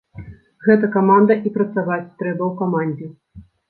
Гэта каманда і працаваць трэба ў камандзе.